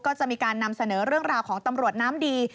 ก็จะมีการนำเสนอเรื่องราวของตำรวจน้ำดี